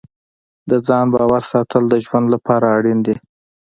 د ځان باور ساتل د ژوند لپاره اړین دي.